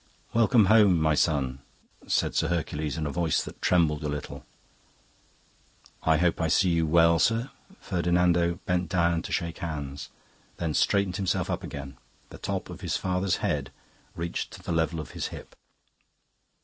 'Welcome home, my son,' said Sir Hercules in a voice that trembled a little. "'I hope I see you well, sir.' Ferdinando bent down to shake hands, then straightened himself up again. The top of his father's head reached to the level of his hip.